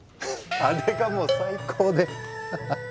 あれがもう最高でははっ。